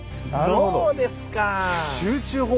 どうですか！